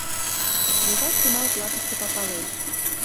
Леваш йымал клатыште папалеш.